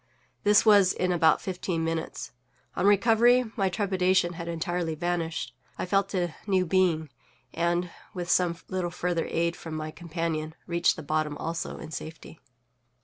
This was in about fifteen minutes. On recovery, my trepidation had entirely vanished; I felt a new being, and, with some little further aid from my companion, reached the bottom also in safety.